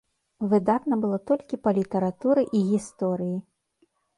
Выдатна было толькі па літаратуры і гісторыі.